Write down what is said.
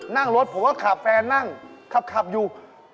นั่งรถผมก็ขับแฟนนั่งขับอยู่